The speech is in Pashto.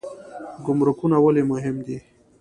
ګمرکونه ولې مهم دي؟